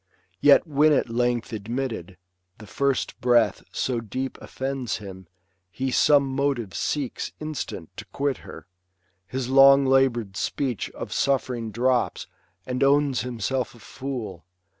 Yet when at length admitted, the flrst breath So deep offends him, he some motive seeks Instant to quit her ; his long labour'd speech Of suffering drops, and owns himself a fool.